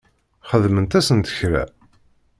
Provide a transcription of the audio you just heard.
Xedment-asent kra?